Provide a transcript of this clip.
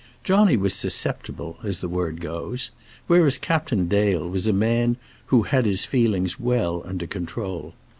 Johnny was susceptible, as the word goes; whereas Captain Dale was a man who had his feelings well under control.